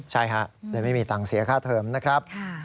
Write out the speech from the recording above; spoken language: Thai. ใช่ฮะเลยไม่มีตังค์เสียค่าเทิมนะครับ